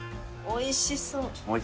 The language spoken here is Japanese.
おいしそう。